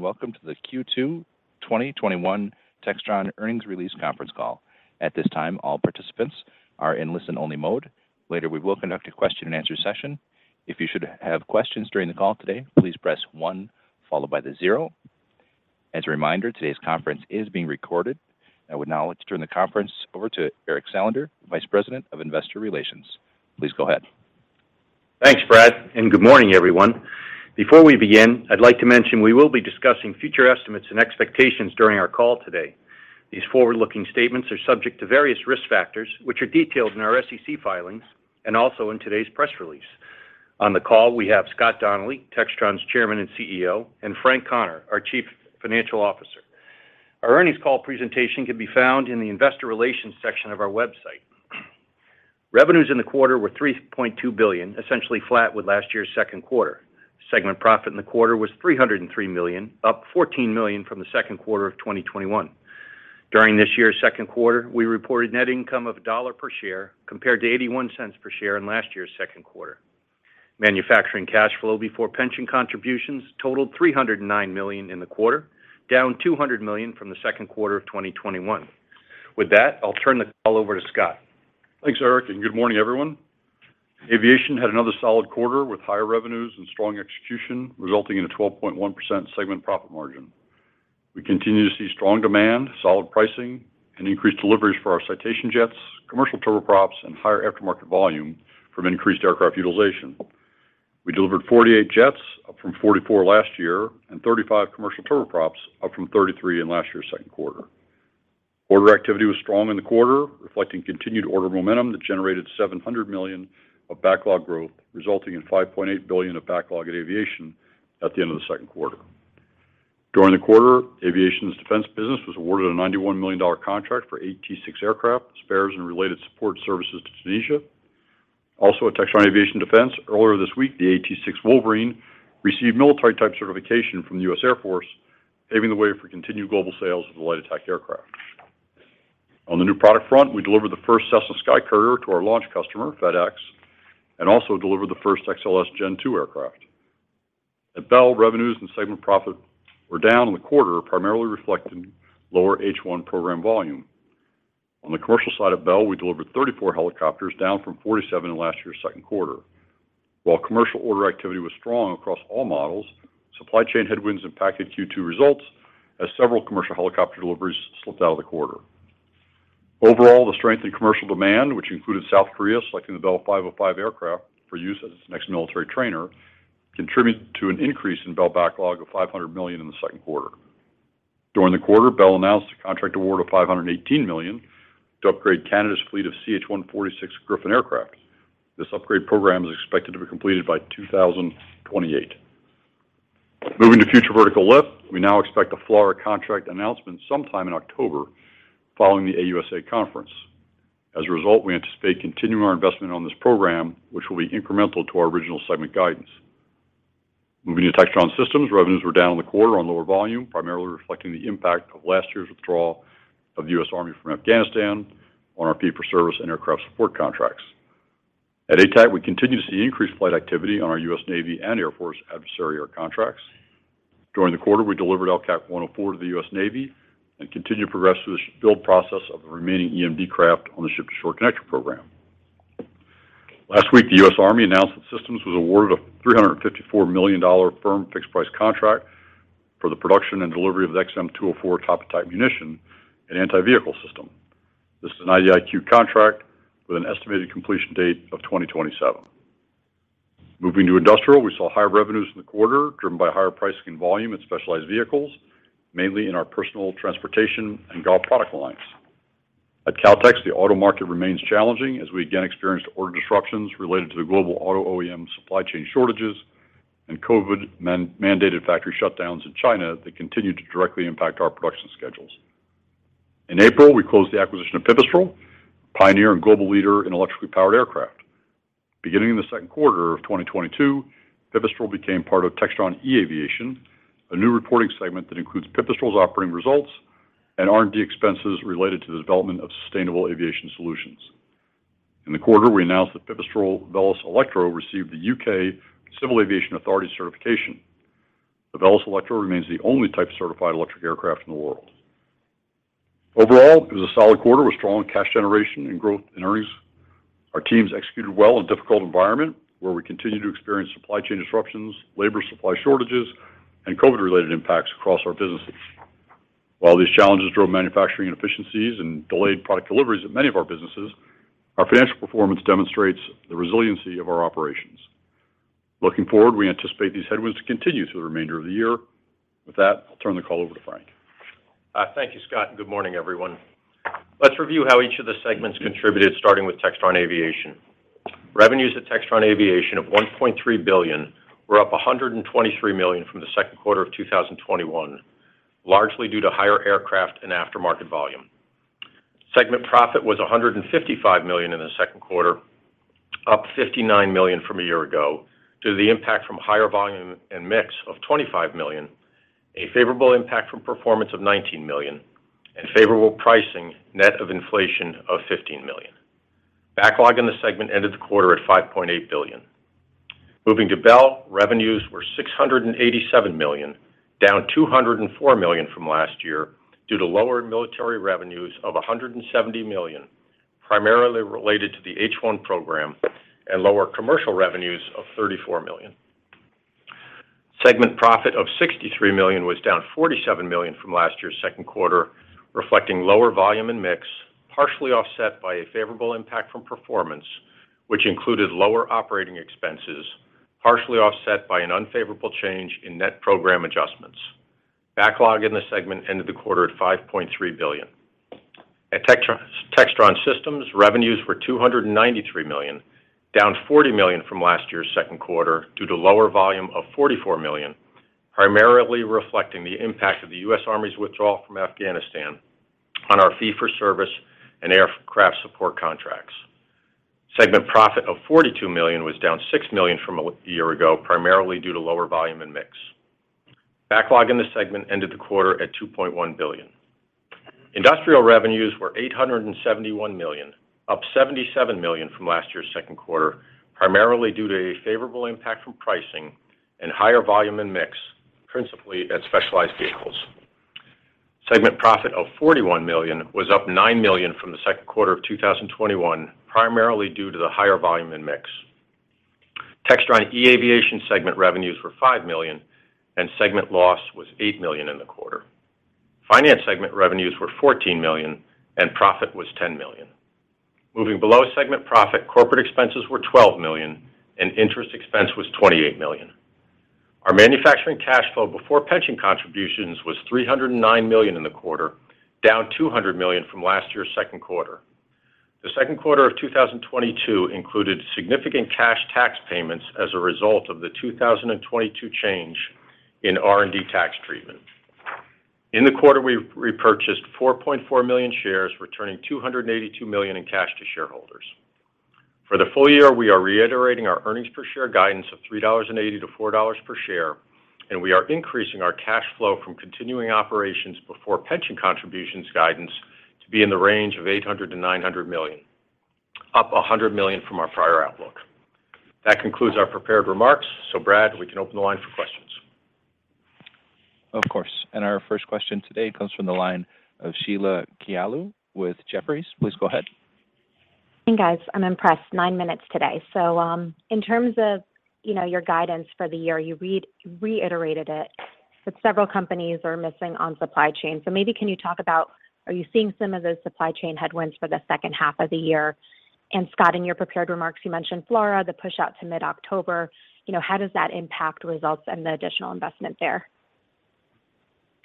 Welcome to the Q2 2022 Textron earnings release conference call. At this time, all participants are in listen-only mode. Later, we will conduct a question-and-answer session. If you should have questions during the call today, please press one followed by the zero. As a reminder, today's conference is being recorded. I would now like to turn the conference over to Eric Salander, Vice President of Investor Relations. Please go ahead. Thanks, Brad, and good morning, everyone. Before we begin, I'd like to mention we will be discussing future estimates and expectations during our call today. These forward-looking statements are subject to various risk factors, which are detailed in our SEC filings and also in today's press release. On the call, we have Scott Donnelly, Textron's Chairman and CEO; and Frank Connor, our Chief Financial Officer. Our earnings call presentation can be found in the Investor Relations section of our website. Revenues in the quarter were $3.2 billion, essentially flat with last year's second quarter. Segment profit in the quarter was $303 million, up $14 million from the second quarter of 2021. During this year's second quarter, we reported net income of $1 per share compared to 81 cents per share in last year's second quarter. Manufacturing cash flow before pension contributions totaled $309 million in the quarter, down $200 million from the second quarter of 2021. With that, I'll turn the call over to Scott. Thanks, Eric, and good morning, everyone. Aviation had another solid quarter with higher revenues and strong execution, resulting in a 12.1% segment profit margin. We continue to see strong demand, solid pricing, and increased deliveries for our Citation jets, commercial turboprops, and higher aftermarket volume from increased aircraft utilization. We delivered 48 jets, up from 44 last year, and 35 commercial turboprops, up from 33 in last year's second quarter. Order activity was strong in the quarter, reflecting continued order momentum that generated $700 million of backlog growth, resulting in $5.8 billion of backlog at Aviation at the end of the second quarter. During the quarter, Aviation's Defense business was awarded a $91 million contract for AT-6 aircraft, spares, and related support services to Tunisia. Textron Aviation Defense, earlier this week, the AT-6 Wolverine received military type certification from the U.S. Air Force, paving the way for continued global sales of the light attack aircraft. On the new product front, we delivered the first Cessna SkyCourier to our launch customer, FedEx, and also delivered the first XLS Gen2 aircraft. At Bell, revenues and segment profit were down in the quarter, primarily reflecting lower H-1 program volume. On the commercial side at Bell, we delivered 34 helicopters, down from 47 in last year's second quarter. While commercial order activity was strong across all models, supply chain headwinds impacted Q2 results as several commercial helicopter deliveries slipped out of the quarter. Overall, the strength in commercial demand, which included South Korea selecting the Bell 505 aircraft for use as its next military trainer, contributed to an increase in Bell backlog of $500 million in the second quarter. During the quarter, Bell announced a contract award of $518 million to upgrade Canada's fleet of CH-146 Griffon aircraft. This upgrade program is expected to be completed by 2028. Moving to Future Vertical Lift, we now expect a FLRAA contract announcement sometime in October following the AUSA conference. As a result, we anticipate continuing our investment on this program, which will be incremental to our original segment guidance. Moving to Textron Systems, revenues were down in the quarter on lower volume, primarily reflecting the impact of last year's withdrawal of the U.S. Army from Afghanistan on our fee-for-service and aircraft support contracts. At ATAC, we continue to see increased flight activity on our U.S. Navy and Air Force adversary contracts. During the quarter, we delivered LCAC 104 to the U.S. Navy and continued progress through the build process of the remaining EMD craft on the Ship-to-Shore Connector program. Last week, the U.S. Army announced that Textron Systems was awarded a $354 million firm fixed price contract for the production and delivery of the XM204 Top Attack munition and Anti-Vehicle System. This is an IDIQ contract with an estimated completion date of 2027. Moving to Industrial, we saw higher revenues in the quarter driven by higher pricing and volume in specialized vehicles, mainly in our personal transportation and golf product lines. At Kautex, the auto market remains challenging as we again experienced order disruptions related to the global auto OEM supply chain shortages and COVID-mandated factory shutdowns in China that continued to directly impact our production schedules. In April, we closed the acquisition of Pipistrel, pioneer and global leader in electrically powered aircraft. Beginning in the second quarter of 2022, Pipistrel became part of Textron eAviation, a new reporting segment that includes Pipistrel's operating results and R&D expenses related to the development of sustainable aviation solutions. In the quarter, we announced that Pipistrel Velis Electro received the U.K. Civil Aviation Authority certification. The Velis Electro remains the only type certified electric aircraft in the world. Overall, it was a solid quarter with strong cash generation and growth in earnings. Our teams executed well in a difficult environment where we continue to experience supply chain disruptions, labor supply shortages, and COVID-related impacts across our businesses. While these challenges drove manufacturing inefficiencies and delayed product deliveries at many of our businesses, our financial performance demonstrates the resiliency of our operations. Looking forward, we anticipate these headwinds to continue through the remainder of the year. With that, I'll turn the call over to Frank. Thank you, Scott, and good morning, everyone. Let's review how each of the segments contributed, starting with Textron Aviation. Revenues at Textron Aviation of $1.3 billion were up $123 million from the second quarter of 2021, largely due to higher aircraft and aftermarket volume. Segment profit was $155 million in the second quarter, up $59 million from a year ago due to the impact from higher volume and mix of $25 million, a favorable impact from performance of $19 million, and favorable pricing net of inflation of $15 million. Backlog in the segment ended the quarter at $5.8 billion. Moving to Bell, revenues were $687 million, down $204 million from last year due to lower military revenues of $170 million, primarily related to the H-1 program and lower commercial revenues of $34 million. Segment profit of $63 million was down $47 million from last year's second quarter, reflecting lower volume and mix, partially offset by a favorable impact from performance, which included lower operating expenses, partially offset by an unfavorable change in net program adjustments. Backlog in the segment ended the quarter at $5.3 billion. At Textron Systems, revenues were $293 million, down $40 million from last year's second quarter due to lower volume of $44 million, primarily reflecting the impact of the U.S. Army's withdrawal from Afghanistan on our fee-for-service and aircraft support contracts. Segment profit of $42 million was down $6 million from a year ago, primarily due to lower volume and mix. Backlog in the segment ended the quarter at $2.1 billion. Industrial revenues were $871 million, up $77 million from last year's second quarter, primarily due to a favorable impact from pricing and higher volume and mix, principally at specialized vehicles. Segment profit of $41 million was up $9 million from the second quarter of 2021, primarily due to the higher volume and mix. Textron eAviation segment revenues were $5 million, and segment loss was $8 million in the quarter. Finance segment revenues were $14 million, and profit was $10 million. Moving below segment profit, corporate expenses were $12 million, and interest expense was $28 million. Our manufacturing cash flow before pension contributions was $309 million in the quarter, down $200 million from last year's second quarter. The second quarter of 2022 included significant cash tax payments as a result of the 2022 change in R&D tax treatment. In the quarter, we repurchased 4.4 million shares, returning $282 million in cash to shareholders. For the full year, we are reiterating our earnings per share guidance of $3.80-$4 per share, and we are increasing our cash flow from continuing operations before pension contributions guidance to be in the range of $800 million-$900 million, up $100 million from our prior outlook. That concludes our prepared remarks. Brad, we can open the line for questions. Of course. Our first question today comes from the line of Sheila Kahyaoglu with Jefferies. Please go ahead. Hey, guys. I'm impressed, nine minutes today. In terms of, you know, your guidance for the year, you reiterated it, but several companies are missing on supply chain. Maybe can you talk about, are you seeing some of those supply chain headwinds for the second half of the year? And Scott, in your prepared remarks, you mentioned FLRAA, the pushout to mid-October. You know, how does that impact results and the additional investment there?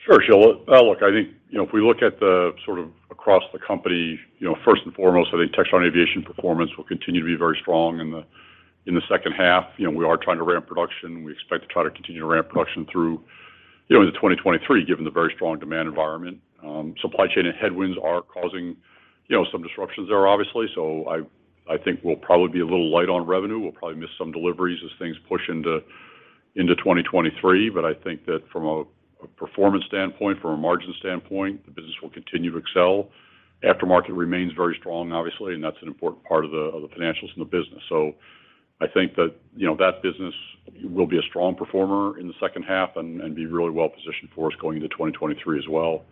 Sure, Sheila. Look, I think, you know, if we look at the sort of across the company, you know, first and foremost, I think Textron Aviation performance will continue to be very strong in the second half. You know, we are trying to ramp production. We expect to try to continue to ramp production through, you know, into 2023, given the very strong demand environment. Supply chain and headwinds are causing, you know, some disruptions there, obviously. I think we'll probably be a little light on revenue. We'll probably miss some deliveries as things push into 2023. I think that from a performance standpoint, from a margin standpoint, the business will continue to excel. Aftermarket remains very strong, obviously, and that's an important part of the financials in the business. I think that business will be a strong performer in the second half and be really well positioned for us going into 2023 as well.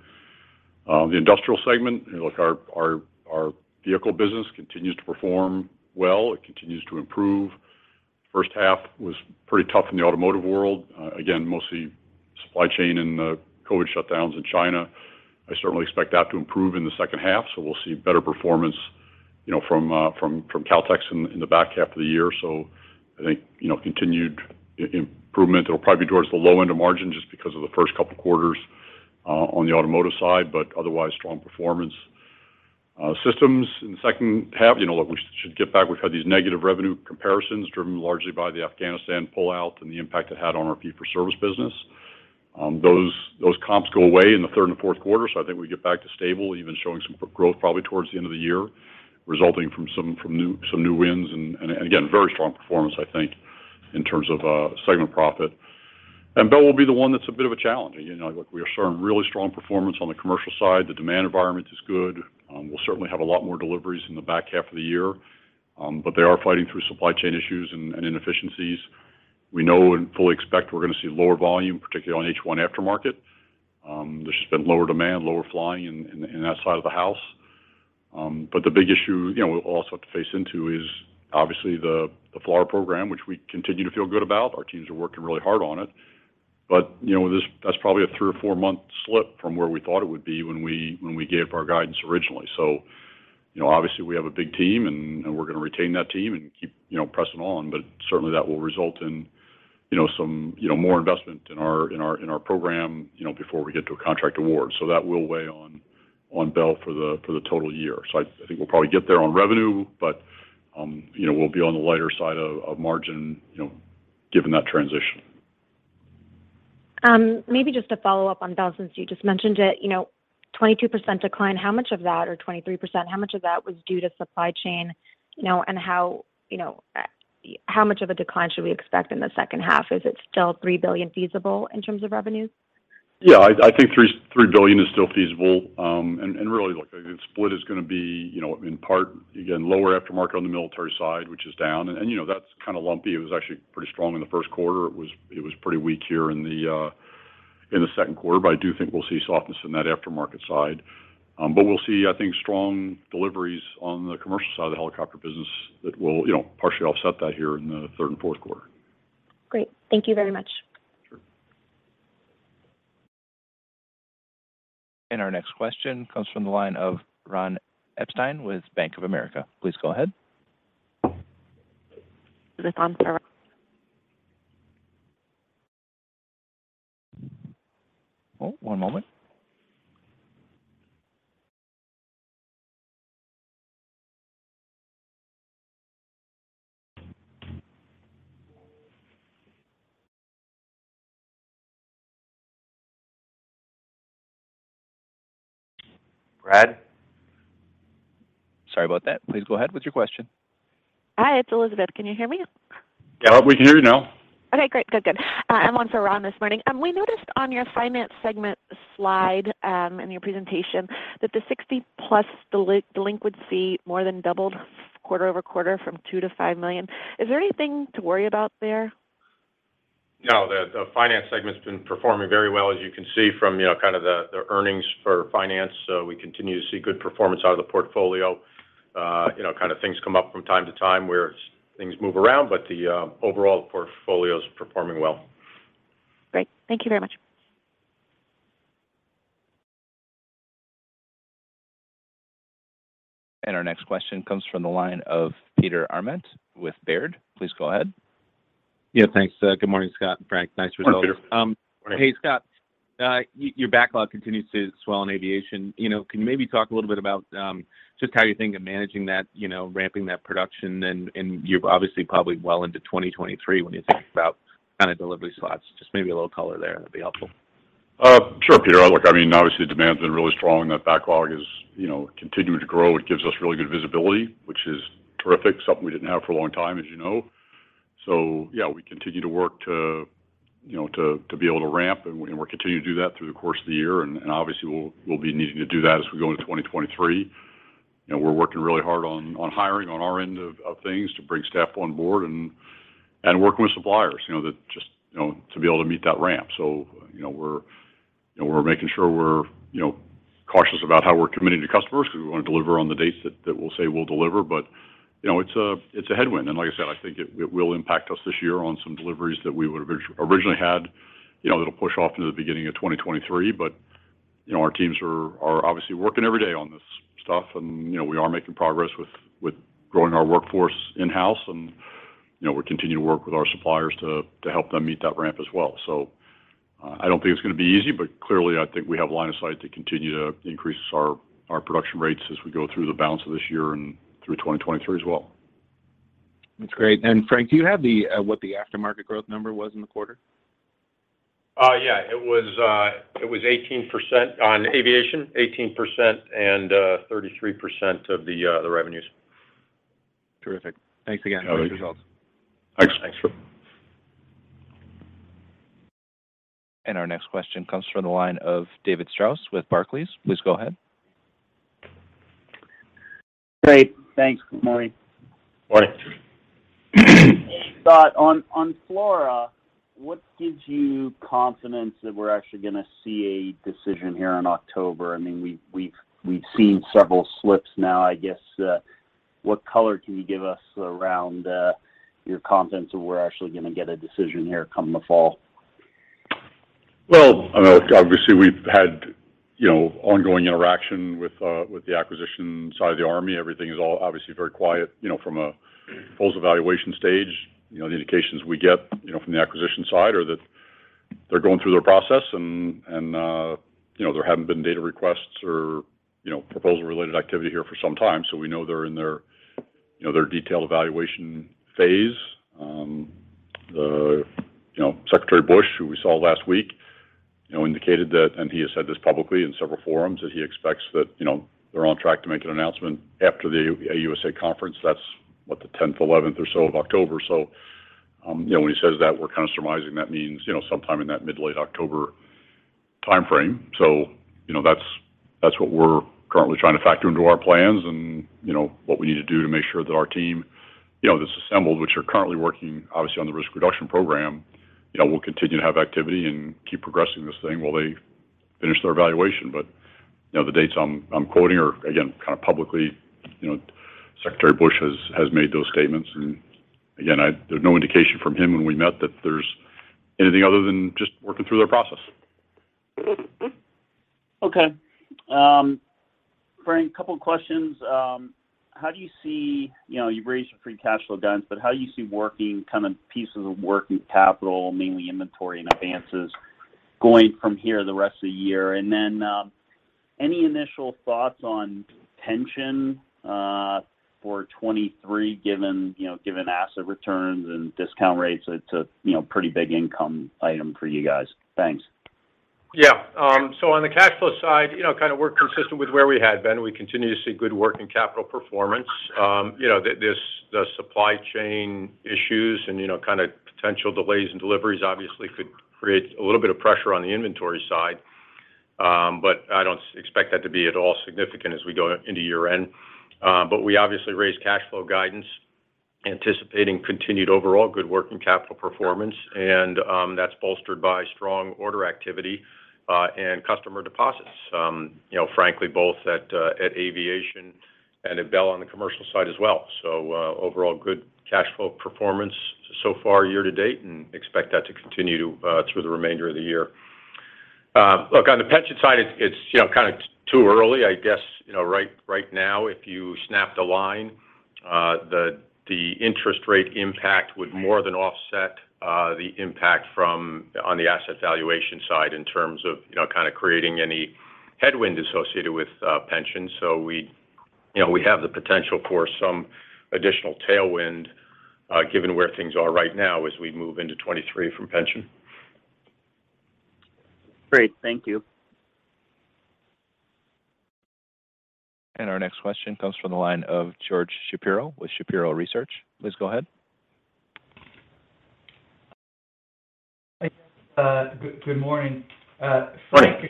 The industrial segment, our vehicle business continues to perform well. It continues to improve. First half was pretty tough in the automotive world, again, mostly supply chain and the COVID shutdowns in China. I certainly expect that to improve in the second half. We'll see better performance from Kautex in the back half of the year. I think continued improvement. It'll probably be towards the low end of margin just because of the first couple quarters on the automotive side, but otherwise, strong performance. Systems in the second half, we should get back. We've had these negative revenue comparisons driven largely by the Afghanistan pullout and the impact it had on our fee for service business. Those comps go away in the third and fourth quarter. I think we get back to stable, even showing some growth probably towards the end of the year, resulting from some new wins and again, very strong performance, I think, in terms of segment profit. Bell will be the one that's a bit of a challenge. You know, we are showing really strong performance on the commercial side. The demand environment is good. We'll certainly have a lot more deliveries in the back half of the year. But they are fighting through supply chain issues and inefficiencies. We know and fully expect we're gonna see lower volume, particularly on H-1 aftermarket. There's just been lower demand, lower flying in that side of the house. The big issue we'll also have to factor into is obviously the FLRAA program, which we continue to feel good about. Our teams are working really hard on it. You know, this, that's probably at three or four-month slip from where we thought it would be when we gave our guidance originally. You know, obviously, we have a big team and we're gonna retain that team and keep pressing on. Certainly, that will result in some more investment in our program before we get to a contract award. That will weigh on Bell for the total year. I think we'll probably get there on revenue, but, you know, we'll be on the lighter side of margin, you know, given that transition. Maybe just to follow up on Bell since you just mentioned it. You know, 22% decline, how much of that, or 23% decline, how much of that was due to supply chain? You know, and how, you know, how much of a decline should we expect in the second half? Is it still $3 billion feasible in terms of revenues? Yeah, I think $3 billion is still feasible. Really, look, I think the split is gonna be, you know, in part, again, lower aftermarket on the military side, which is down. You know, that's kind of lumpy. It was actually pretty strong in the first quarter. It was pretty weak here in the second quarter. I do think we'll see softness in that aftermarket side. We'll see, I think, strong deliveries on the commercial side of the helicopter business that will, you know, partially offset that here in the third and fourth quarter. Great. Thank you very much. Sure. Our next question comes from the line of Ron Epstein with Bank of America. Please go ahead. Is this on, Sir? Oh, one moment. Brad? Sorry about that. Please go ahead with your question. Hi, it's Elizabeth. Can you hear me? Yeah, we can hear you now. I'm on for Ron this morning. We noticed on your finance segment slide, in your presentation, that the 60+ day delinquency more than doubled quarter-over-quarter from $2 million-$5 million. Is there anything to worry about there? No, the finance segment's been performing very well, as you can see from, you know, kind of the earnings for finance. We continue to see good performance out of the portfolio. You know, kind of things come up from time to time where things move around, but the overall portfolio is performing well. Great. Thank you very much. Our next question comes from the line of Peter Arment with Baird. Please go ahead. Yeah, thanks. Good morning, Scott and Frank. Nice results. Hi, Peter. Morning. Hey, Scott. Your backlog continues to swell in aviation. You know, can you maybe talk a little bit about just how you think of managing that, you know, ramping that production, and you're obviously probably well into 2023 when you think about kind of delivery slots. Just maybe a little color there, that'd be helpful. Sure, Peter. Look, I mean, obviously demand's been really strong, and that backlog is, you know, continuing to grow. It gives us really good visibility, which is terrific. Something we didn't have for a long time, as you know. Yeah, we continue to work to, you know, be able to ramp, and we're continuing to do that through the course of the year. Obviously we'll be needing to do that as we go into 2023. You know, we're working really hard on hiring on our end of things to bring staff on board and working with suppliers, you know, just to be able to meet that ramp. You know, we're, you know, we're making sure we're, you know, cautious about how we're committing to customers because we want to deliver on the dates that we'll say we'll deliver. You know, it's a headwind. Like I said, I think it will impact us this year on some deliveries that we would've originally had, you know, that'll push off into the beginning of 2023. You know, our teams are obviously working every day on this stuff and, you know, we are making progress with growing our workforce in-house, and, you know, we're continuing to work with our suppliers to help them meet that ramp as well. I don't think it's gonna be easy, but clearly I think we have line of sight to continue to increase our production rates as we go through the balance of this year and through 2023 as well. That's great. Frank, do you have what the aftermarket growth number was in the quarter? Yeah. It was 18% on aviation. 18%, and 33% of the revenues. Terrific. Thanks again. You got it. Nice results. Thanks. Sure. Our next question comes from the line of David Strauss with Barclays. Please go ahead. Great. Thanks. Good morning. Morning. Scott, on FLRAA, what gives you confidence that we're actually gonna see a decision here in October? I mean, we've seen several slips now. I guess, what color can you give us around your confidence that we're actually gonna get a decision here come the fall? Well, I mean, obviously we've had, you know, ongoing interaction with the acquisition side of the Army. Everything is all obviously very quiet, you know, from a full evaluation stage. You know, the indications we get, you know, from the acquisition side are that they're going through their process and, you know, there haven't been data requests or, you know, proposal-related activity here for some time. So we know they're in their, you know, their detailed evaluation phase. Secretary Bush, who we saw last week, you know, indicated that, and he has said this publicly in several forums, that he expects that, you know, they're on track to make an announcement after the AUSA conference. That's, what? The 10th, 11th or so of October. You know, when he says that, we're kind of surmising that means, you know, sometime in that mid-late October timeframe. You know, that's what we're currently trying to factor into our plans and, you know, what we need to do to make sure that our team, you know, that's assembled, which are currently working obviously on the risk reduction program, you know, will continue to have activity and keep progressing this thing while they finish their evaluation. You know, the dates I'm quoting are, again, kind of publicly, you know, Secretary Bush has made those statements and again, there's no indication from him when we met that there's anything other than just working through their process. Okay. Frank, couple questions. How do you see, you know, you've raised your free cash flow guidance, but how do you see working kind of pieces of working capital, mainly inventory and advances, going from here the rest of the year? Then, any initial thoughts on pension for 2023, given, you know, asset returns and discount rates? It's a, you know, pretty big income item for you guys. Thanks. Yeah. On the cash flow side, you know, kind of we're consistent with where we had been. We continue to see good working capital performance. You know, the supply chain issues and, you know, kind of potential delays in deliveries obviously could create a little bit of pressure on the inventory side. I don't expect that to be at all significant as we go into year-end. We obviously raised cash flow guidance, anticipating continued overall good working capital performance, and that's bolstered by strong order activity and customer deposits. You know, frankly, both at Aviation and at Bell on the commercial side as well. Overall good cash flow performance so far year-to-date, and expect that to continue through the remainder of the year. Look, on the pension side, it's, you know, kind of too early. I guess, you know, right now, if you snapped a line, the interest rate impact would more than offset the impact on the asset valuation side in terms of, you know, kind of creating any headwind associated with pensions. We, you know, we have the potential for some additional tailwind given where things are right now as we move into 2023 from pension. Great. Thank you. Our next question comes from the line of George Shapiro with Shapiro Research. Please go ahead. Hi. Good morning. Frank, a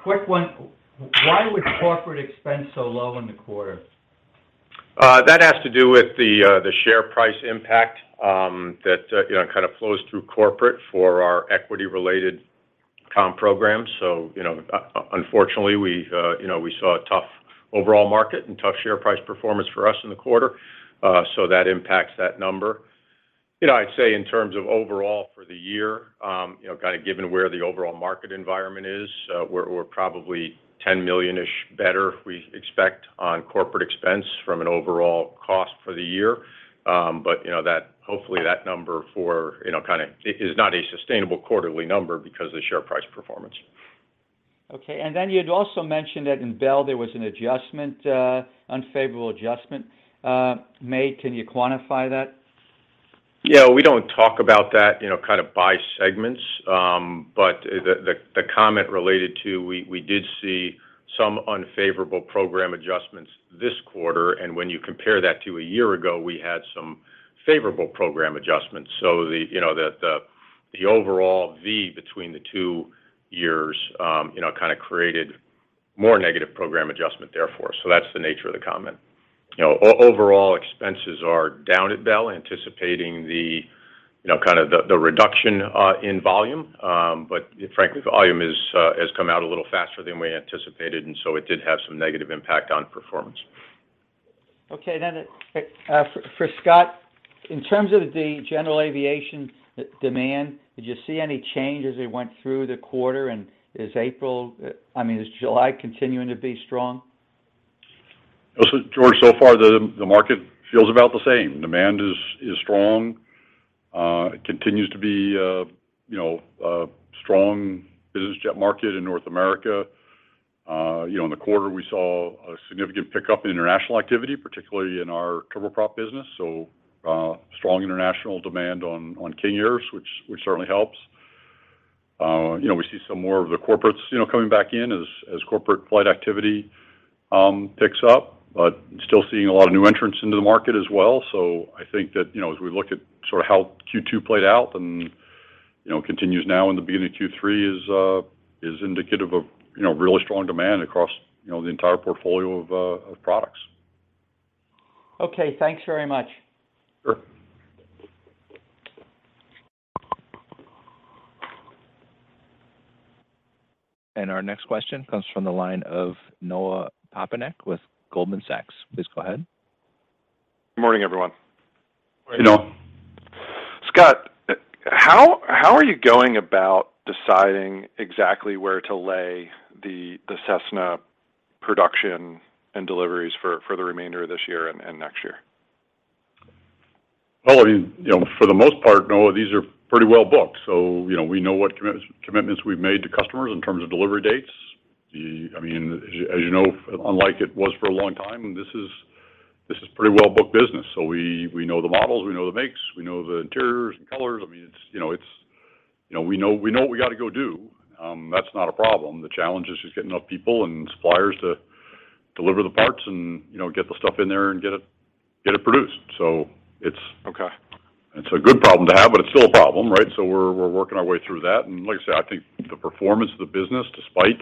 quick one. Why was corporate expense so low in the quarter? That has to do with the share price impact that you know kind of flows through corporate for our equity-related comp programs. Unfortunately, we you know we saw a tough overall market and tough share price performance for us in the quarter so that impacts that number. You know, I'd say in terms of overall for the year you know kind of given where the overall market environment is we're probably $10 million-ish better, we expect, on corporate expense from an overall cost for the year. You know, that hopefully that number for you know kind of it is not a sustainable quarterly number because of the share price performance. Okay. You'd also mentioned that in Bell, there was an unfavorable adjustment made. Can you quantify that? Yeah. We don't talk about that, you know, kind of by segments. The comment related to we did see some unfavorable program adjustments this quarter, and when you compare that to a year ago, we had some favorable program adjustments. The overall variance between the two years, you know, kind of created more negative program adjustment therefore. That's the nature of the comment. You know, overall expenses are down at Bell, anticipating the, you know, kind of the reduction in volume. Frankly, the volume has come out a little faster than we anticipated, and so it did have some negative impact on performance. Okay, for Scott, in terms of the general aviation demand, did you see any change as we went through the quarter, and I mean, is July continuing to be strong? George, so far the market feels about the same. Demand is strong. It continues to be, you know, a strong business jet market in North America. You know, in the quarter, we saw a significant pickup in international activity, particularly in our turboprop business, so strong international demand on King Air, which certainly helps. You know, we see some more of the corporates, you know, coming back in as corporate flight activity picks up. Still seeing a lot of new entrants into the market as well. I think that, you know, as we look at sort of how Q2 played out and, you know, continues now in the beginning of Q3 is indicative of, you know, really strong demand across, you know, the entire portfolio of products. Okay, thanks very much. Sure. Our next question comes from the line of Noah Poponak with Goldman Sachs. Please go ahead. Good morning, everyone. Morning, Noah. Scott, how are you going about deciding exactly where to lay the Cessna production and deliveries for the remainder of this year and next year? Well, I mean, you know, for the most part, Noah, these are pretty well booked. You know, we know what commitments we've made to customers in terms of delivery dates. I mean, as you know, unlike it was for a long time, this is pretty well booked business. We know the models, we know the makes, we know the interiors and colors. I mean, it's, you know, we know what we gotta go do. That's not a problem. The challenge is just getting enough people and suppliers to deliver the parts and, you know, get the stuff in there and get it produced. Okay. It's a good problem to have, but it's still a problem, right? We're working our way through that. Like I said, I think the performance of the business, despite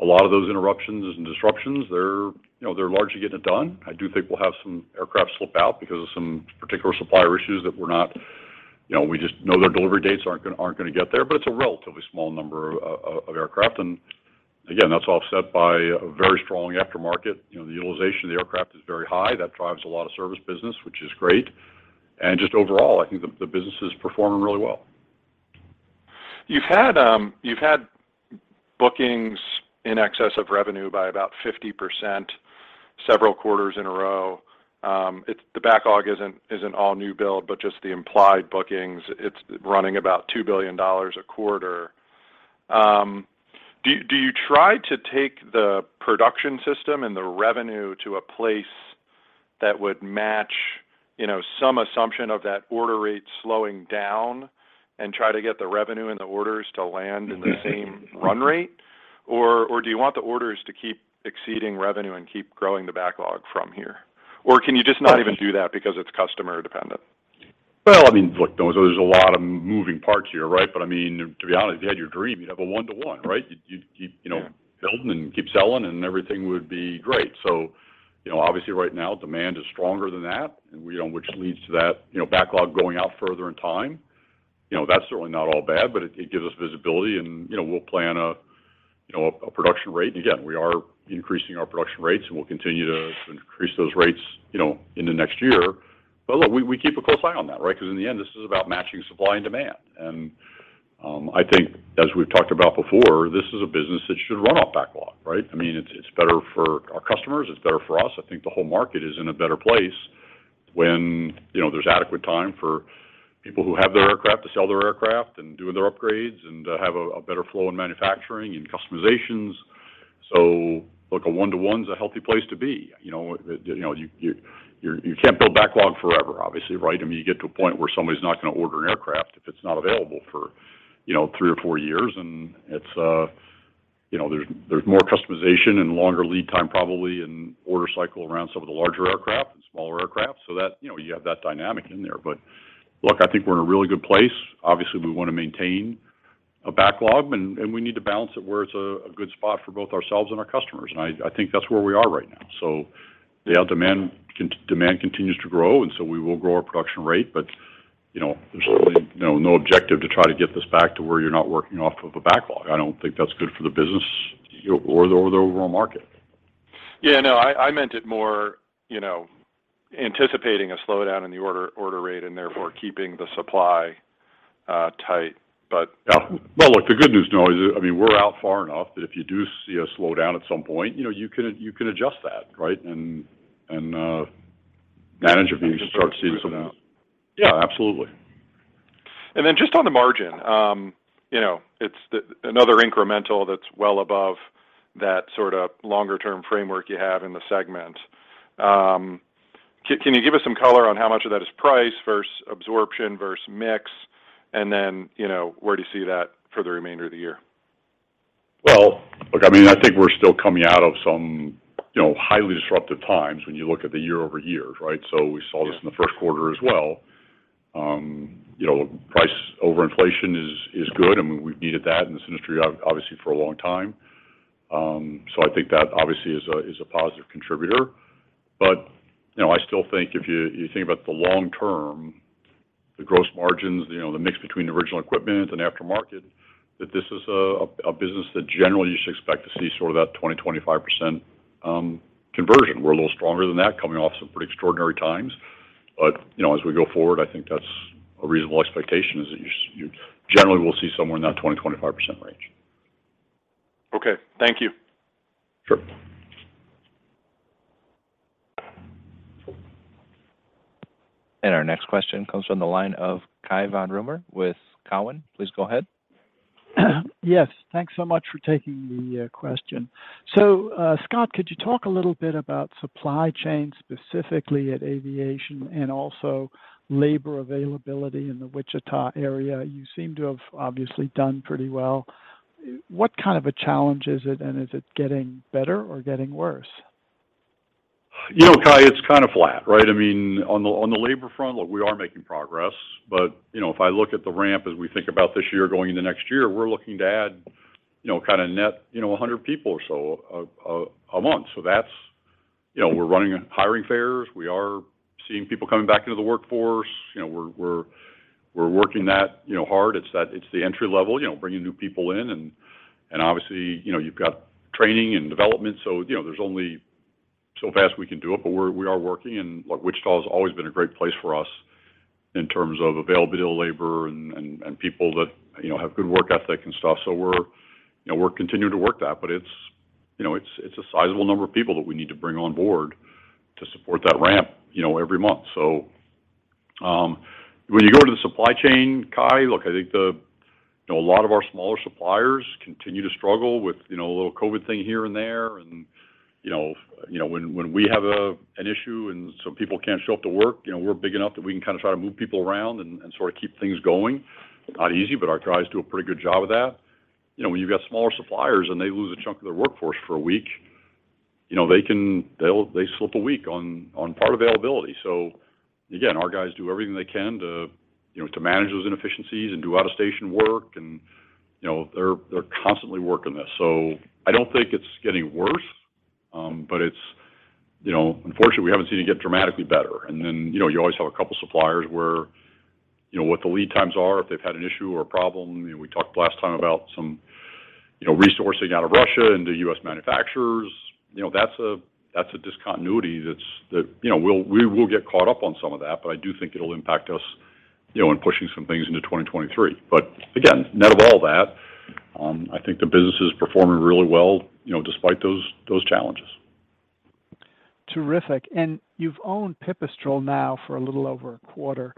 a lot of those interruptions and disruptions, they're, you know, they're largely getting it done. I do think we'll have some aircraft slip out because of some particular supplier issues that we're not. You know, we just know their delivery dates aren't gonna get there, but it's a relatively small number of aircraft. Again, that's offset by a very strong aftermarket. You know, the utilization of the aircraft is very high. That drives a lot of service business, which is great. Just overall, I think the business is performing really well. You've had bookings in excess of revenue by about 50% several quarters in a row. The backlog isn't all new build, but just the implied bookings, it's running about $2 billion a quarter. Do you try to take the production system and the revenue to a place that would match, you know, some assumption of that order rate slowing down and try to get the revenue and the orders to land in the same run rate? Or do you want the orders to keep exceeding revenue and keep growing the backlog from here? Or can you just not even do that because it's customer dependent? Well, I mean, look, there's a lot of moving parts here, right? I mean, to be honest, if you had your dream, you'd have a one-to-one, right? You'd you know. Yeah. Keep building and keep selling, and everything would be great. You know, obviously right now, demand is stronger than that, you know, which leads to that, you know, backlog going out further in time. You know, that's certainly not all bad, but it gives us visibility and, you know, we'll plan a, you know, a production rate. Again, we are increasing our production rates, and we'll continue to increase those rates, you know, in the next year. Look, we keep a close eye on that, right? Because in the end, this is about matching supply and demand. I think as we've talked about before, this is a business that should run off backlog, right? I mean, it's better for our customers. It's better for us. I think the whole market is in a better place when, you know, there's adequate time for people who have their aircraft to sell their aircraft and doing their upgrades and have a better flow in manufacturing and customizations. Look, a one to one is a healthy place to be. You know, you can't build backlog forever, obviously, right? I mean, you get to a point where somebody's not gonna order an aircraft if it's not available for, you know, three or four years. It's, you know, there's more customization and longer lead time probably and order cycle around some of the larger aircraft and smaller aircraft, so that, you know, you have that dynamic in there. Look, I think we're in a really good place. Obviously, we want to maintain a backlog, and we need to balance it where it's a good spot for both ourselves and our customers. I think that's where we are right now. Yeah, demand continues to grow, and so we will grow our production rate. You know, there's really, you know, no objective to try to get this back to where you're not working off of a backlog. I don't think that's good for the business or the overall market. Yeah. No, I meant it more, you know, anticipating a slowdown in the order rate and therefore keeping the supply tight. Yeah. Well, look, the good news though is, I mean, we're out far enough that if you do see a slowdown at some point, you know, you can adjust that, right? Yeah, absolutely. Just on the margin, you know, it's another incremental that's well above that sort of longer-term framework you have in the segment. Can you give us some color on how much of that is price versus absorption versus mix? You know, where do you see that for the remainder of the year? Well, look, I mean, I think we're still coming out of some, you know, highly disruptive times when you look at the year-over-year, right? We saw this in the first quarter as well. You know, price overinflation is good. I mean, we've needed that in this industry obviously for a long time. I think that obviously is a positive contributor. You know, I still think if you think about the long term, the gross margins, you know, the mix between original equipment and aftermarket, that this is a business that generally you should expect to see sort of that 20%, 25% conversion. We're a little stronger than that coming off some pretty extraordinary times. You know, as we go forward, I think that's a reasonable expectation, is that you generally will see somewhere in that 20%, 25% range. Okay. Thank you. Sure. Our next question comes from the line of Cai von Rumohr with Cowen. Please go ahead. Yes. Thanks so much for taking the question. Scott, could you talk a little bit about supply chain, specifically at Aviation and also labor availability in the Wichita area? You seem to have obviously done pretty well. What kind of a challenge is it, and is it getting better or getting worse? You know, Cai, it's kind of flat, right? I mean, on the labor front, look, we are making progress. You know, if I look at the ramp as we think about this year going into next year, we're looking to add, you know, kind of net, you know, 100 people or so a month. That's, you know, we're running hiring fairs. We are seeing people coming back into the workforce. You know, we're working that, you know, hard. It's the entry level, you know, bringing new people in and obviously, you know, you've got training and development. You know, there's only so fast we can do it, but we are working. Look, Wichita has always been a great place for us in terms of availability of labor and people that, you know, have good work ethic and stuff. We're, you know, continuing to work that. It's, you know, a sizable number of people that we need to bring on board to support that ramp, you know, every month. When you go to the supply chain, Cai, look, I think, you know, a lot of our smaller suppliers continue to struggle with, you know, a little COVID thing here and there. You know, when we have an issue and some people can't show up to work, you know, we're big enough that we can kind of try to move people around and sort of keep things going. It's not easy, but our guys do a pretty good job of that. You know, when you've got smaller suppliers and they lose a chunk of their workforce for a week, you know, they slip a week on part availability. Our guys do everything they can to, you know, manage those inefficiencies and do out-of-station work. You know, they're constantly working this. I don't think it's getting worse, but it's you know, unfortunately, we haven't seen it get dramatically better. You know, you always have a couple suppliers where, you know, what the lead times are, if they've had an issue or a problem. You know, we talked last time about some, you know, resourcing out of Russia into U.S. manufacturers. You know, that's a discontinuity that you know, we will get caught up on some of that, but I do think it'll impact us, you know, in pushing some things into 2023. Again, net of all that, I think the business is performing really well, you know, despite those challenges. Terrific. You've owned Pipistrel now for a little over a quarter.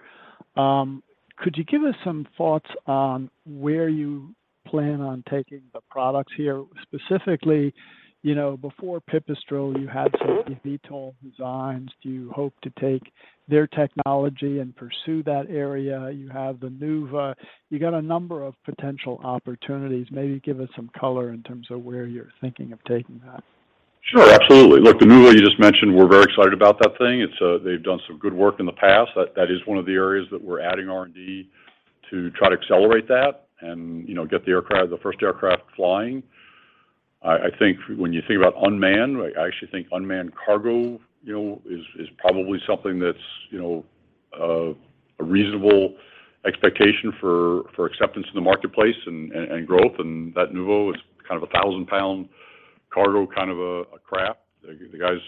Could you give us some thoughts on where you plan on taking the products here? Specifically, you know, before Pipistrel, you had some eVTOL designs. Do you hope to take their technology and pursue that area? You have the Nuuva. You got a number of potential opportunities. Maybe give us some color in terms of where you're thinking of taking that. Sure, absolutely. Look, the Nuuva you just mentioned, we're very excited about that thing. It's. They've done some good work in the past. That is one of the areas that we're adding R&D to try to accelerate that and, you know, get the aircraft, the first aircraft flying. I think when you think about unmanned, right, I actually think unmanned cargo, you know, is probably something that's, you know, a reasonable expectation for acceptance in the marketplace and growth, and that Nuuva is kind of a 1,000-pound cargo, kind of a craft. The guys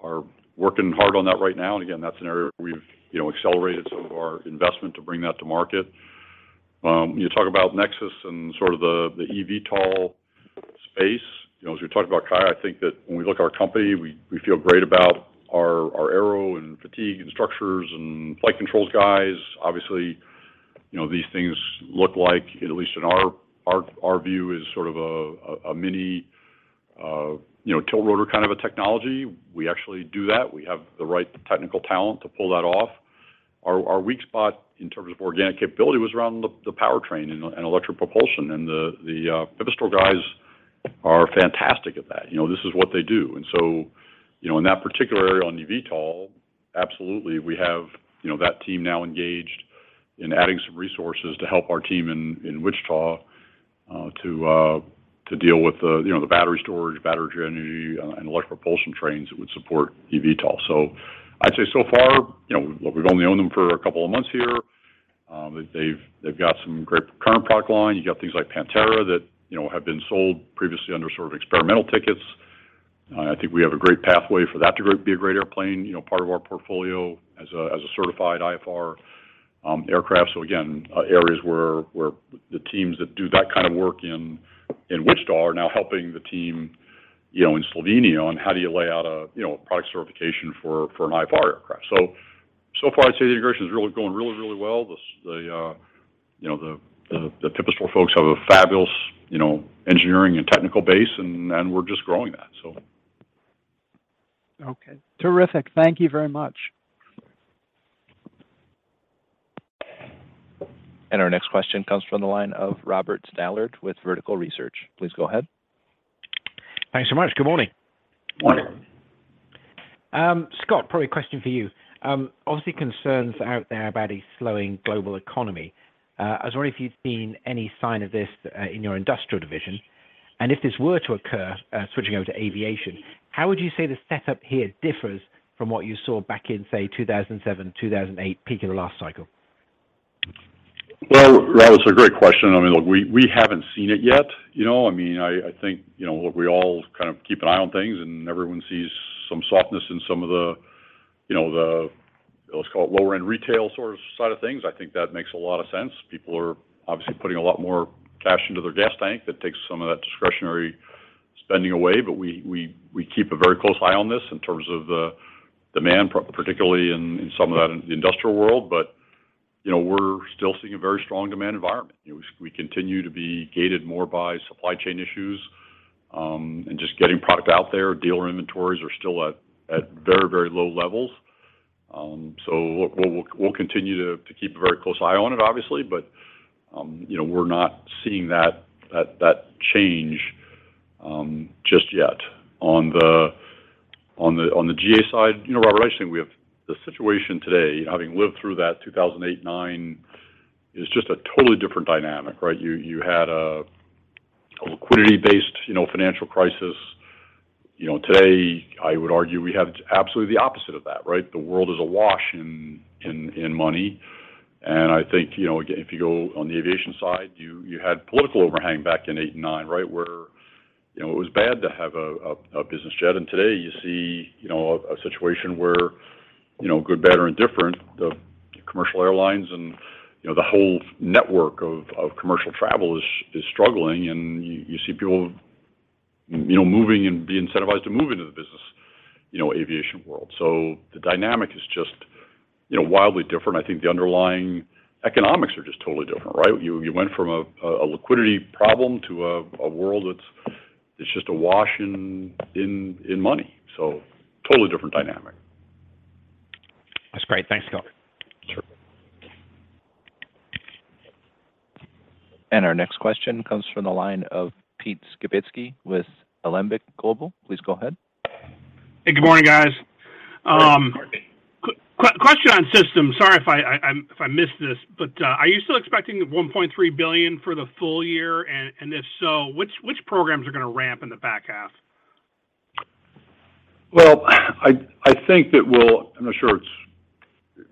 are working hard on that right now. Again, that's an area where we've, you know, accelerated some of our investment to bring that to market. You talk about Nexus and sort of the eVTOL space. You know, as we talked about Cai, I think that when we look at our company, we feel great about our aero and fatigue and structures and flight controls guys. Obviously, you know, these things look like, at least in our view, as sort of a mini, you know, tilt rotor kind of a technology. We actually do that. We have the right technical talent to pull that off. Our weak spot in terms of organic capability was around the powertrain and electric propulsion, and the Pipistrel guys are fantastic at that. You know, this is what they do. You know, in that particular area on EVTOL, absolutely, we have, you know, that team now engaged in adding some resources to help our team in Wichita to deal with the, you know, the battery storage, battery energy, and electric propulsion trains that would support EVTOL. I'd say so far, you know, look, we've only owned them for a couple of months here. They've got some great current product line. You got things like Panthera that, you know, have been sold previously under sort of experimental tickets. I think we have a great pathway for that to be a great airplane, you know, part of our portfolio as a certified IFR aircraft. Again, areas where the teams that do that kind of work in Wichita are now helping the team, you know, in Slovenia on how do you lay out a, you know, a product certification for an IFR aircraft. So far I'd say the integration is really going really well. You know, the Pipistrel folks have a fabulous, you know, engineering and technical base, and we're just growing that. Okay. Terrific. Thank you very much. Our next question comes from the line of Robert Stallard with Vertical Research. Please go ahead. Thanks so much. Good morning. Morning. Scott, probably a question for you. Obviously concerns out there about a slowing global economy. I was wondering if you'd seen any sign of this in your industrial division, and if this were to occur, switching over to aviation, how would you say the setup here differs from what you saw back in, say, 2007, 2008 peak in the last cycle? Well, Rob, it's a great question. I mean, look, we haven't seen it yet, you know? I mean, I think, you know, look, we all kind of keep an eye on things, and everyone sees some softness in some of the, you know, the, let's call it lower-end retail source side of things. I think that makes a lot of sense. People are obviously putting a lot more cash into their gas tank. That takes some of that discretionary spending away. But we keep a very close eye on this in terms of demand, particularly in some of that in the industrial world. But, you know, we're still seeing a very strong demand environment. You know, we continue to be gated more by supply chain issues, and just getting product out there. Dealer inventories are still at very, very low levels. Look, we'll continue to keep a very close eye on it, obviously. You know, we're not seeing that change just yet. On the GA side, you know, Robert, I just think we have the situation today, having lived through that 2008-2009 is just a totally different dynamic, right? You had a liquidity-based, you know, financial crisis. You know, today, I would argue we have just absolutely the opposite of that, right? The world is awash in money. I think, you know, again, if you go on the aviation side, you had political overhang back in 2008 and 2009, right? Where you know, it was bad to have a business jet. Today you see, you know, a situation where, you know, good, bad, or indifferent, the commercial airlines and, you know, the whole network of commercial travel is struggling, and you see people, you know, moving and be incentivized to move into the business, you know, aviation world. The dynamic is just, you know, wildly different. I think the underlying economics are just totally different, right? You went from a liquidity problem to a world that's just awash in money. Totally different dynamic. That's great. Thanks, Scott. Sure. Our next question comes from the line of Pete Skibitski with Alembic Global. Please go ahead. Hey, good morning, guys. Good morning. Question on systems. Sorry if I missed this, but are you still expecting $1.3 billion for the full year? If so, which programs are gonna ramp in the back half? I think I'm not sure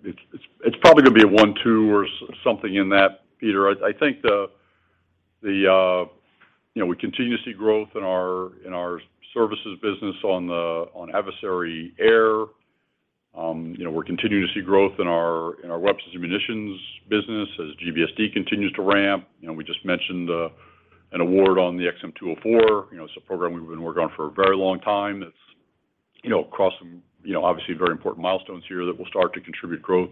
it's probably gonna be a one, two or something in that, Peter. I think you know, we continue to see growth in our services business on adversary air. You know, we're continuing to see growth in our weapons and munitions business as GBSD continues to ramp. You know, we just mentioned an award on the XM204. You know, it's a program we've been working on for a very long time. It's you know, crossing you know, obviously very important milestones here that will start to contribute growth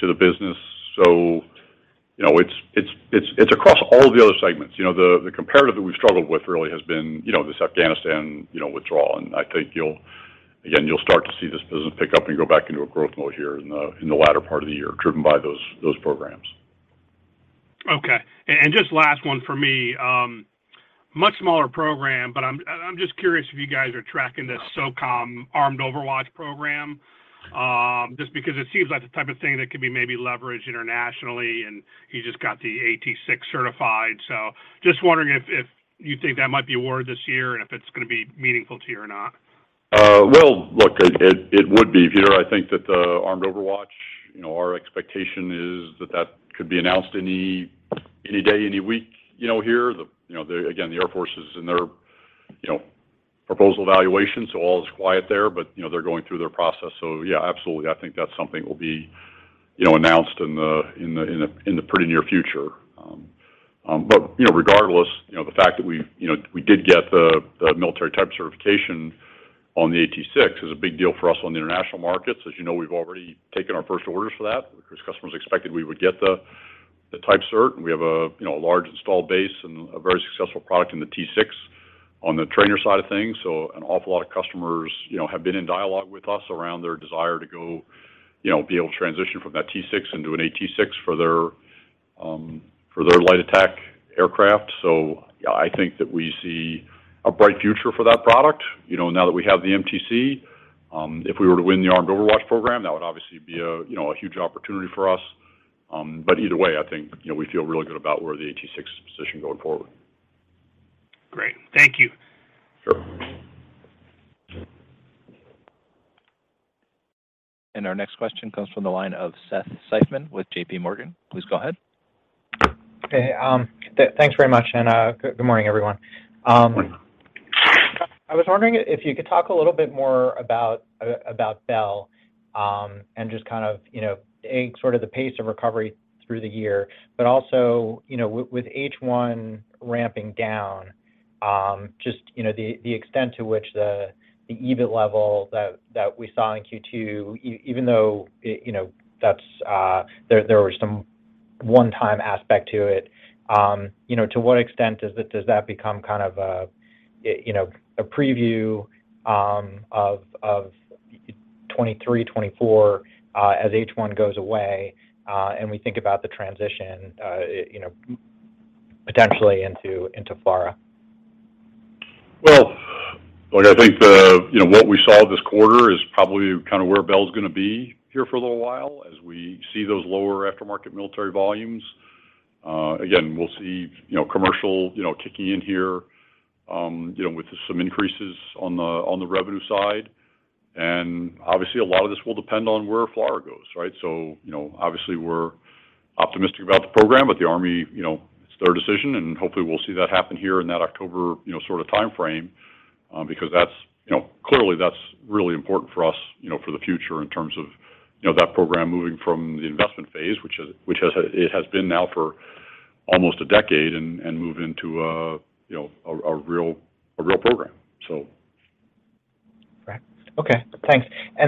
to the business. You know, it's across all the other segments. You know, the comp that we've struggled with really has been you know, this Afghanistan withdrawal. I think again you'll start to see this business pick up and go back into a growth mode here in the latter part of the year, driven by those programs. Okay. Just last one for me. Much smaller program, but I'm just curious if you guys are tracking this SOCOM Armed Overwatch program, just because it seems like the type of thing that could be maybe leveraged internationally, and you just got the AT-6 certified. Just wondering if you think that might be awarded this year, and if it's gonna be meaningful to you or not. Well, look, it would be, Pete. I think that the Armed Overwatch, you know, our expectation is that that could be announced any day, any week, you know, here. The Air Force is in their proposal evaluation, so all is quiet there, but, you know, they're going through their process. Yeah, absolutely. I think that's something that will be, you know, announced in the pretty near future. But, you know, regardless, you know, the fact that we, you know, we did get the military type certification on the AT-6 is a big deal for us on the international markets. As you know, we've already taken our first orders for that. Of course, customers expected we would get the type cert, and we have a you know a large installed base and a very successful product in the T-6 on the trainer side of things. An awful lot of customers you know have been in dialogue with us around their desire to go you know be able to transition from that T-6 into an AT-6 for their light attack aircraft. Yeah, I think that we see a bright future for that product you know now that we have the MTC. If we were to win the Armed Overwatch program, that would obviously be a you know a huge opportunity for us. But either way, I think you know we feel really good about where the AT-6's positioned going forward. Great. Thank you. Sure. Our next question comes from the line of Seth Seifman with JPMorgan. Please go ahead. Okay. Thanks very much, and good morning, everyone. Good morning. I was wondering if you could talk a little bit more about Bell, and just kind of, you know, a sort of the pace of recovery through the year, but also, you know, with H-1 ramping down, just, you know, the extent to which the EBIT level that we saw in Q2, even though it, you know, that's there was some one-time aspect to it, you know, to what extent does that become kind of a, you know, a preview of 2023, 2024, as H-1 goes away, and we think about the transition, you know, potentially into FLRAA? Well, look, I think the, you know, what we saw this quarter is probably kind of where Bell's gonna be here for a little while as we see those lower aftermarket military volumes. Again, we'll see, you know, commercial, you know, kicking in here, you know, with some increases on the revenue side. Obviously, a lot of this will depend on where FLRAA goes, right? You know, obviously, we're optimistic about the program, but the Army, you know, it's their decision, and hopefully we'll see that happen here in that October, you know, sort of timeframe, because that's, you know, clearly that's really important for us, you know, for the future in terms of, you know, that program moving from the investment phase, which has been now for almost a decade and move into a real program. Right. Okay. Thanks. I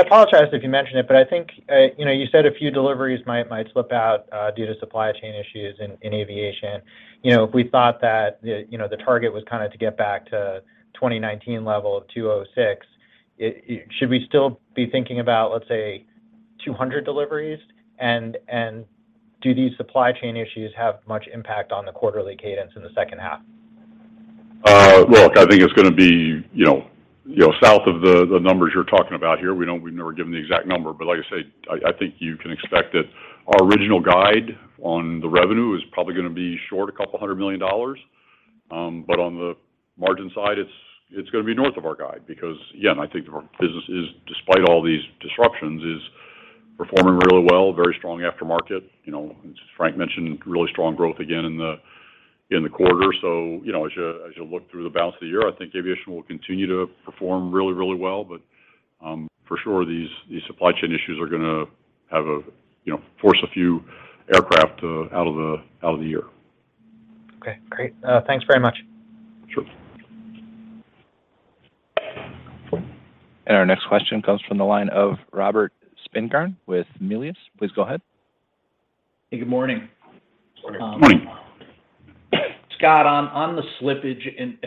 apologize if you mentioned it, but I think you know, you said a few deliveries might slip out due to supply chain issues in aviation. You know, if we thought that the you know, the target was kind of to get back to 2019 level of 206, should we still be thinking about, let's say, 200 deliveries, and do these supply chain issues have much impact on the quarterly cadence in the second half? Look, I think it's gonna be, you know, south of the numbers you're talking about here. We've never given the exact number, but like I say, I think you can expect that our original guide on the revenue is probably gonna be short $200 million. On the margin side, it's gonna be north of our guide because, again, I think our business, despite all these disruptions, is performing really well, very strong aftermarket. You know, as Frank mentioned, really strong growth again in the quarter. You know, as you look through the balance of the year, I think aviation will continue to perform really, really well. For sure, these supply chain issues are gonna have a You know, force a few aircraft out of the year. Okay. Great. Thanks very much. Sure. Our next question comes from the line of Robert Spingarn with Melius. Please go ahead. Good morning. Morning. Scott, on the slippage in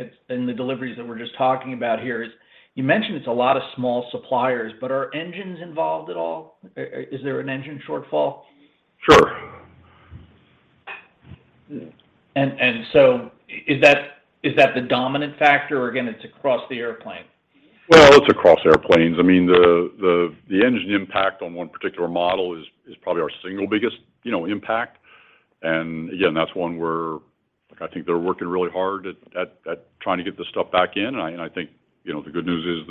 the deliveries that we're just talking about, you mentioned it's a lot of small suppliers, but are engines involved at all? Is there an engine shortfall? Sure. Is that the dominant factor, or again, it's across the airplane? Well, it's across airplanes. I mean, the engine impact on one particular model is probably our single biggest, you know, impact. Again, that's one. Look, I think they're working really hard at trying to get this stuff back in. I think, you know, the good news is,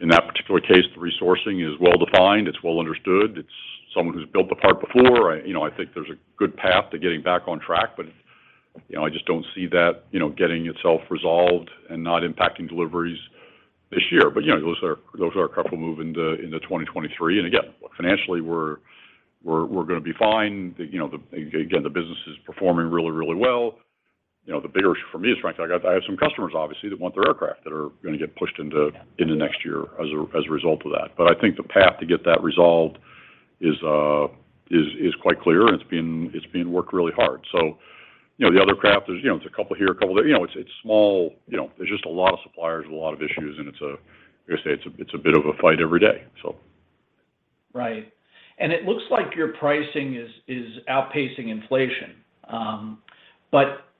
in that particular case, the resourcing is well-defined. It's well understood. It's someone who's built the part before. You know, I think there's a good path to getting back on track, but, you know, I just don't see that, you know, getting itself resolved and not impacting deliveries this year. You know, those are a couple that move into 2023. Again, look, financially we're gonna be fine. You know, the business is performing really well. You know, the bigger for me is, Frank, I have some customers obviously that want their aircraft that are gonna get pushed into next year as a result of that. I think the path to get that resolved is quite clear, and it's being worked really hard. You know, the other craft, there's you know, it's a couple here, a couple there. You know, it's small. You know, there's just a lot of suppliers, a lot of issues, and I gotta say, it's a bit of a fight every day. Right. It looks like your pricing is outpacing inflation.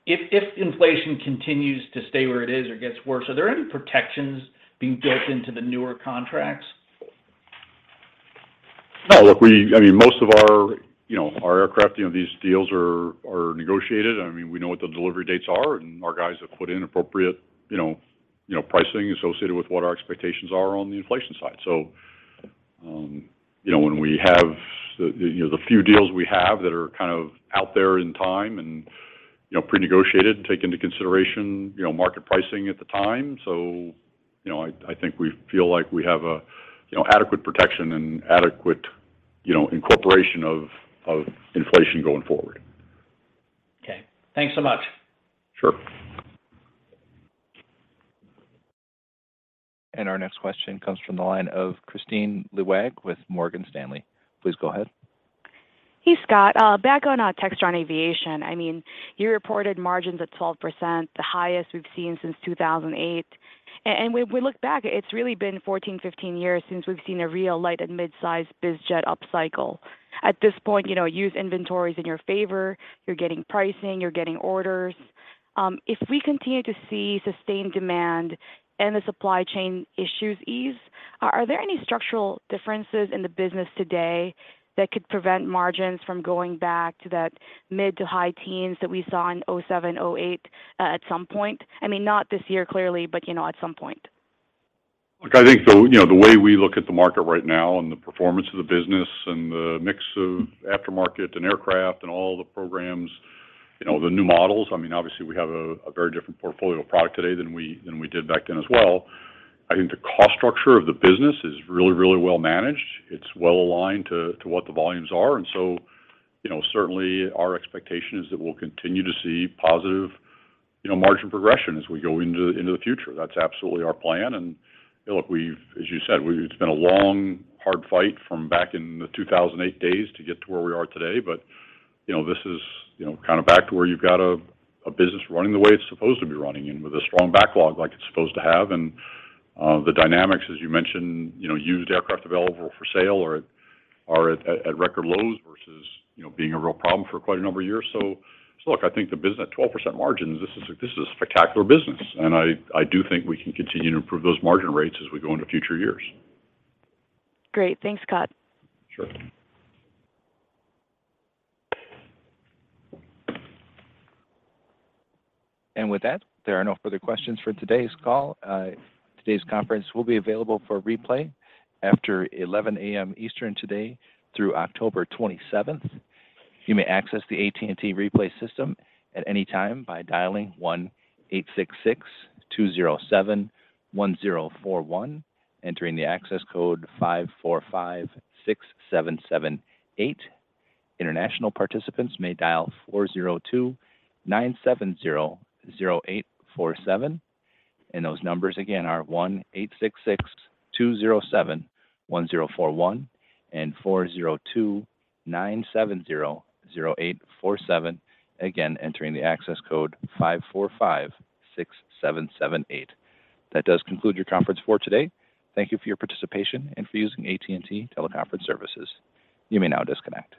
If inflation continues to stay where it is or gets worse, are there any protections being built into the newer contracts? No. Look, I mean, most of our, you know, our aircraft, you know, these deals are negotiated. I mean, we know what the delivery dates are, and our guys have put in appropriate, you know, you know, pricing associated with what our expectations are on the inflation side. You know, when we have you know, the few deals we have that are kind of out there in time and, you know, pre-negotiated and take into consideration, you know, market pricing at the time. You know, I think we feel like we have a, you know, adequate protection and adequate, you know, incorporation of inflation going forward. Okay. Thanks so much. Sure. Our next question comes from the line of Kristine Liwag with Morgan Stanley. Please go ahead. Hey, Scott. Back on Textron Aviation. I mean, you reported margins at 12%, the highest we've seen since 2008. When we look back, it's really been 14, 15 years since we've seen a real light and mid-size biz jet upcycle. At this point, you know, used inventory's in your favor. You're getting pricing, you're getting orders. If we continue to see sustained demand and the supply chain issues ease, are there any structural differences in the business today that could prevent margins from going back to that mid to high teens that we saw in '07, '08, at some point? I mean, not this year, clearly, but, you know, at some point. Look, I think the, you know, the way we look at the market right now and the performance of the business and the mix of aftermarket and aircraft and all the programs, you know, the new models. I mean, obviously we have a very different portfolio of product today than we did back then as well. I think the cost structure of the business is really, really well managed. It's well aligned to what the volumes are, and so, you know, certainly our expectation is that we'll continue to see positive, you know, margin progression as we go into the future. That's absolutely our plan. Hey, look, we've, as you said, it's been a long, hard fight from back in the 2008 days to get to where we are today. You know, this is kind of back to where you've got a business running the way it's supposed to be running and with a strong backlog like it's supposed to have. The dynamics, as you mentioned, you know, used aircraft available for sale are at record lows versus being a real problem for quite a number of years. Look, I think the business at 12% margins, this is a spectacular business, and I do think we can continue to improve those margin rates as we go into future years. Great. Thanks, Scott. Sure. With that, there are no further questions for today's call. Today's conference will be available for replay after 11 A.M. Eastern today through October twenty-seventh. You may access the AT&T Replay system at any time by dialing 1-866-207-1041, entering the access code 545-6778. International participants may dial 402-970-0847. Those numbers again are 1-866-207-1041 and 402-970-0847, again, entering the access code 545-6778. That does conclude your conference for today. Thank you for your participation and for using AT&T Teleconference Services. You may now disconnect.